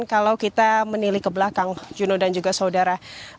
kalau kita menilai ke belakang yuno dan juga saudara